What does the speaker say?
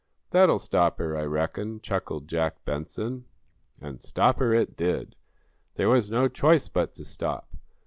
"That'll stop her, I reckon." chuckled Jack Benson. And "stop her" it did. There was no choice but to stop.